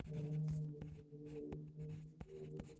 বিপদের দিনে কীভাবে বন্ধু চিনতে হয়, এরদোয়ান নিশ্চয়ই সেটা এখন শিখছেন।